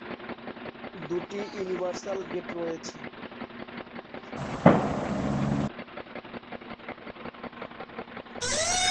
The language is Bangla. দুটি ইউনিভার্সাল গেট রয়েছে।